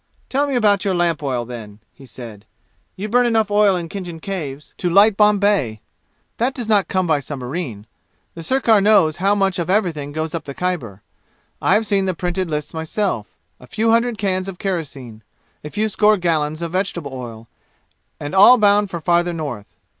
"Tell me about your lamp oil, then," he said. "You burn enough oil in Khinjan Caves to light Bombay! That does not come by submarine. The sirkar knows how much of everything goes up the Khyber. I have seen the printed lists myself a few hundred cans of kerosene a few score gallons of vegetable oil, and all bound for farther north.